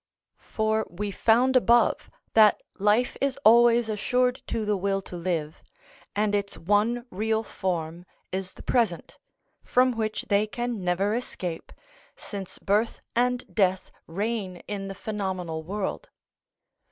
For we found above that life is always assured to the will to live, and its one real form is the present, from which they can never escape, since birth and death reign in the phenomenal world.